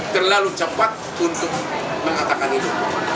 terlalu cepat untuk mengatakan itu